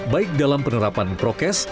baik dalam penerapan prokes